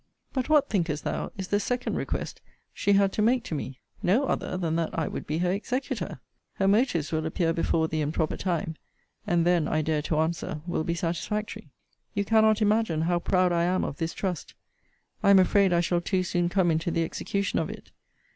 But what thinkest thou is the second request she had to make to me? no other than that I would be her executor! Her motives will appear before thee in proper time; and then, I dare to answer, will be satisfactory. You cannot imagine how proud I am of this trust. I am afraid I shall too soon come into the execution of it.